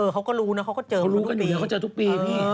เค้าแต่รู้นะเค้าจะทุกปี